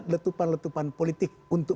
letupan letupan politik untuk